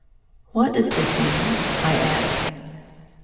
"What does this mean?" I asked.